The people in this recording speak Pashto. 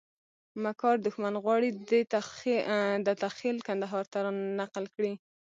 مکار دښمن غواړي دته خېل کندهار ته رانقل کړي.